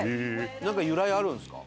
なんか由来あるんですか？